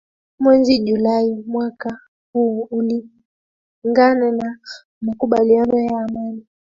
mwezi julai mwaka huu kulingana na makubaliano ya amani